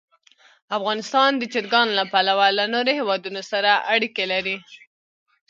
افغانستان د چرګان له پلوه له نورو هېوادونو سره اړیکې لري.